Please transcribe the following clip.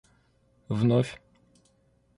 вновь